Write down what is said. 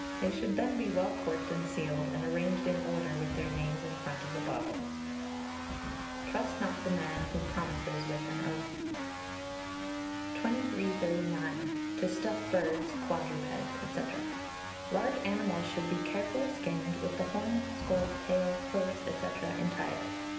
They should then be well corked and sealed, and arranged in order, with their names in front of the bottles." [TRUST NOT THE MAN WHO PROMISES WITH AN OATH.] 2339. To Stuff Birds, Quadrupeds, &c. Large animals should be carefully skinned, with the horns, skull, tail, hoofs, &c., entire.